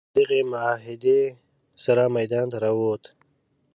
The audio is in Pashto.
د همدغې معاهدې سره میدان ته راووت.